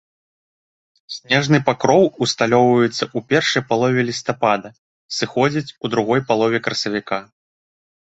Снежны пакроў усталёўваецца ў першай палове лістапада, сыходзіць у другой палове красавіка.